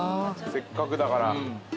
せっかくだから。